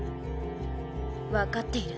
分かっている。